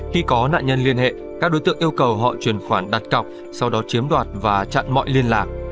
khi có nạn nhân liên hệ các đối tượng yêu cầu họ chuyển khoản đặt cọc sau đó chiếm đoạt và chặn mọi liên lạc